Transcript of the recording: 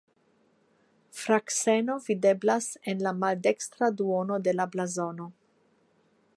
Frakseno videblas en la maldekstra duono de la blazono.